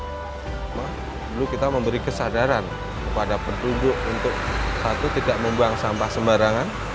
dulu kita memberi kesadaran kepada penduduk untuk satu tidak membuang sampah sembarangan